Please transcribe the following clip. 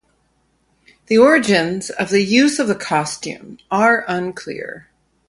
The origins of the use of the costume are unclear.